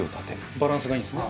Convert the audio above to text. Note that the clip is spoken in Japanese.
バランスがいいんですね。